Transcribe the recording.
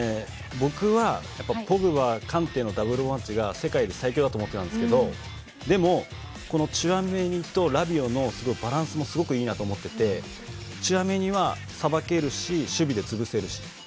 僕は、ポグバ、カンテのダブルボランチが世界で最強だと思っていたんですけどでも、このチュアメニとラビオのバランスもすごくいいなと思っていてチュアメニはさばけるし、守備で潰せるし。